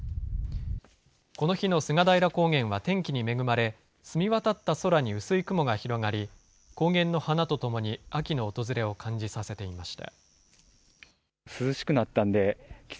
この日の菅平高原は天気に恵まれ、澄み渡った空に薄い雲が広がり、高原の花とともに秋の訪れを感じさせていました。